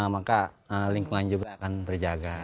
maka lingkungan juga akan terjaga